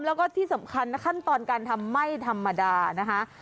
แล้วก็ที่สำคัญขั้นตอนการทำไม่ธรรมดานะคะ